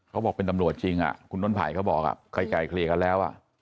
เขาบอกเป็นตำรวจจริงคุณต้นไผ่เขาบอกไกลเกลี่ยกันแล้ว